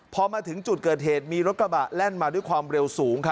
พอมาถึงจุดเกิดเหตุมีรถกระบะแล่นมาด้วยความเร็วสูง